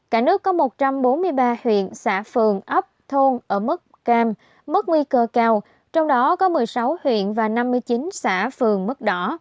cả nước có một trăm bốn mươi ba huyện xã phường ấp thôn ở mức cam mức nguy cơ cao trong đó có một mươi sáu huyện và năm mươi chín xã phường mất đỏ